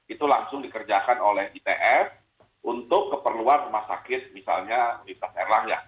itu langsung dikerjakan oleh its untuk keperluan rumah sakit misalnya universitas erlang ya